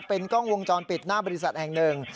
เป็นกล้องวงจรปิดหน้าบริษัทแห่งหนึ่ง